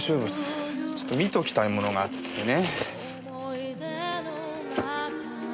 ちょっと見ておきたいものがあってね。